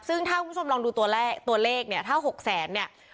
ซึ่งถ้าคุณผู้ชมลองดูตัวเลขตัวเลขเนี่ยถ้า๖แสนเนี่ย